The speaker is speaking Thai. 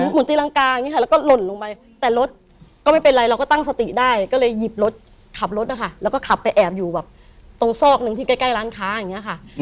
หมุนเตียงร่างกาย